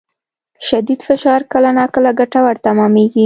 شدید فشار کله ناکله ګټور تمامېږي.